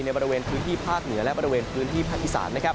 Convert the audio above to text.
บริเวณพื้นที่ภาคเหนือและบริเวณพื้นที่ภาคอีสาน